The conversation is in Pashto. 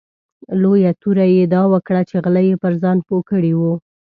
لویه توره یې دا وکړه چې غله یې پر ځان پوه کړي وو.